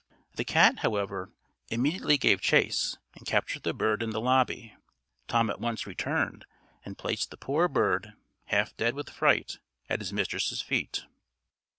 The cat, however, immediately gave chase, and captured the bird in the lobby. Tom at once returned, and placed the poor bird half dead with fright at his mistress's feet.